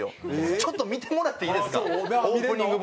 ちょっと見てもらっていいですかオープニングＶ。